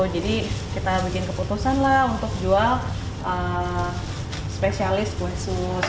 jadi kita bikin keputusan lah untuk jual spesialis kue sus